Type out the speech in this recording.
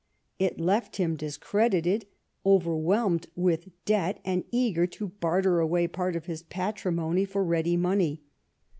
It left him discredited, overwhelmed with debt, and eager to barter away part of his patrimony for ready money.